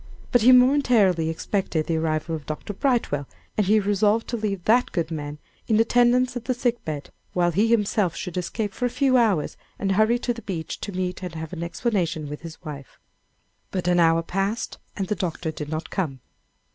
But he momentarily expected the arrival of Dr. Brightwell, and he resolved to leave that good man in attendance at the sick bed, while he himself should escape for a few hours; and hurry to the beach to meet and have an explanation with his wife. But an hour passed, and the doctor did not come.